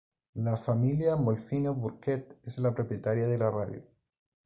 La familia Molfino-Bürkert es la propietaria de la radio.